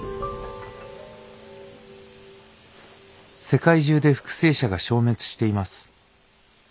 「世界中で復生者が消滅しています。